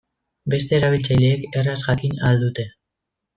Beste erabiltzaileek erraz jakin ahal dute.